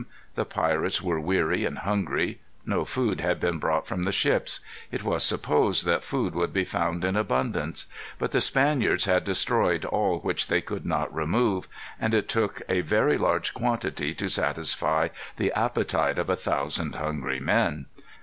The pirates were weary and hungry. No food had been brought from the ships. It was supposed that food would be found in abundance. But the Spaniards had destroyed all which they could not remove; and it took a very large quantity to satisfy the appetites of a thousand hungry men.